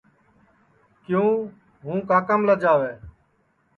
کیوں ہوں کاکام لجاوے